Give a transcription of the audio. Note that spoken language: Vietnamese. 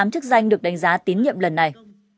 bốn mươi tám chức danh được đánh giá tín nhiệm lần này